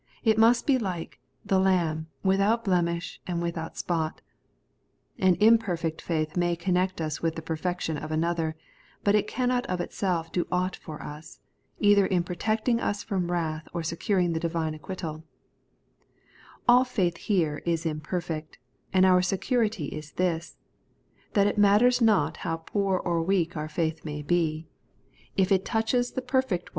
It must be like * tho Lamb, without blemish and without spot* An iin])orfi^ct faith may connect us with the perfection of another ; but it cannot of itself do aught for us, oilhor in protecting us from wrath or securing the divino acquittal All faith here is imperfect ; and our «oourity is Uus, that it matters not how poor or weak our faith may bo : if it touches the perfect Not Faith, hut Christ.